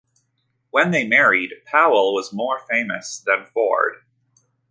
When they married, Powell was more famous than Ford.